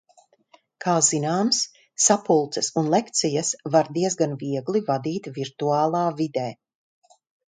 Kā zināms, sapulces un lekcijas var diezgan viegli vadīt virtuālā vidē.